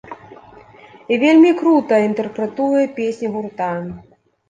І вельмі крута інтэрпрэтуе песні гурта.